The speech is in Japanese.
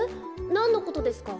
なんのことですか？